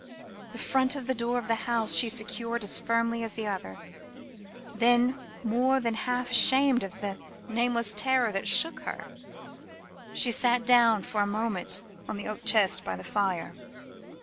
The front door of the house she secured as firmly as the other, then, more than half ashamed of the nameless terror that shook her, she sat down for a moment on an oak chest by the fire.